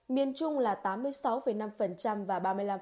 miền trung là tám mươi sáu năm và ba mươi năm